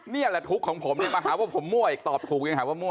นี่แหละทุกข์ของผมเนี่ยมาหาว่าผมมั่วอีกตอบถูกยังหาว่ามั่